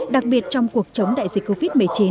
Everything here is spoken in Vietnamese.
đặc biệt trong cuộc chống đại dịch covid một mươi chín